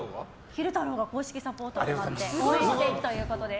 昼太郎が公式サポーターとなって応援していくということです。